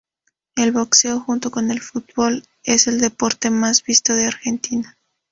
El boxeo, junto con el fútbol, es el deporte más visto en Argentina.